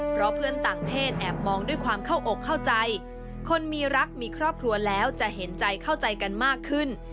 เพราะเพื่อนต่างเพศแอบมองด้วยความเข้าอกเข้าใจคนมีรักมีครอบครัวแล้วจะเห็นใจเข้าใจกันมากขึ้น